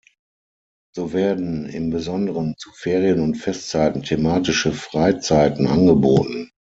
So werden im Besonderen zu Ferien- und Festzeiten thematische Freizeiten angeboten.